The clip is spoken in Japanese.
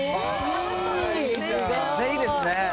いいですね。